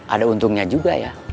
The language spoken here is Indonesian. ada untungnya juga ya